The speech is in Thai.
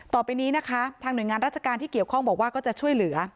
ต่อไปนี้นะคะทางหน่วยงานราชการที่เกี่ยวข้องบอกว่าก็จะช่วยเหลือ